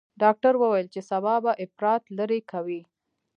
ډاکتر وويل چې سبا به اپرات لرې کوي.